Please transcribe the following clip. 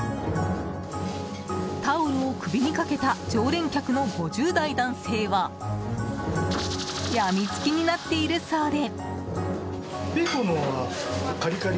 タオルを首にかけた常連客の５０代男性はやみつきになっているそうで。